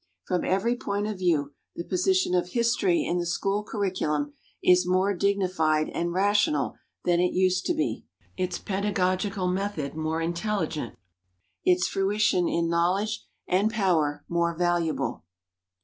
From every point of view, the position of history in the school curriculum is more dignified and rational than it used to be, its pedagogical method more intelligent, its fruition in knowledge and power more valuable.